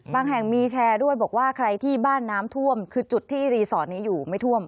แห่งมีแชร์ด้วยบอกว่าใครที่บ้านน้ำท่วมคือจุดที่รีสอร์ทนี้อยู่ไม่ท่วม